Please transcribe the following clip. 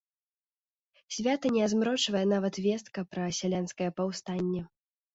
Свята не азмрочвае нават вестка пра сялянскае паўстанне.